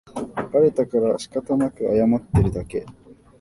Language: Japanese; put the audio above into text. バレたからしかたなく謝ってるだけ